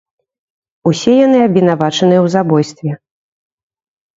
Усе яны абвінавачаныя ў забойстве.